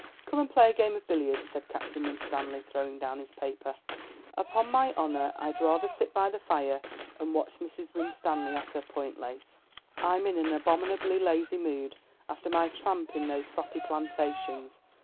"Come and play a game of billiards," said Captain Winstanley, throwing down his paper. "Upon my honour, I'd rather sit by the fire and watch Mrs. Winstanley at her point lace. I'm in an abominably lazy mood after my tramp in those soppy plantations."